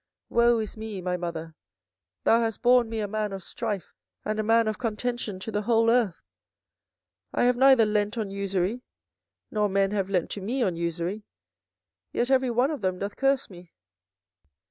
24:015:010 Woe is me, my mother, that thou hast borne me a man of strife and a man of contention to the whole earth! I have neither lent on usury, nor men have lent to me on usury; yet every one of them doth curse me.